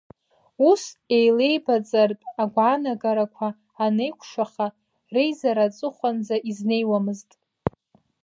Ус еилеибаҵартә агәаанагарақәа анеиҟәшаха, реизара аҵыхәанӡа изнеиуамызт.